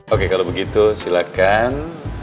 oke kalo begitu silakan